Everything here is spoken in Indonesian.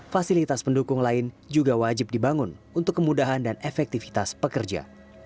fasilitas pendukung lain juga wajib dibangun untuk kemudahan dan efektivitas pekerja